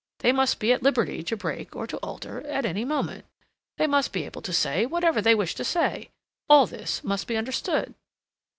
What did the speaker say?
They must be at liberty to break or to alter at any moment. They must be able to say whatever they wish to say. All this must be understood."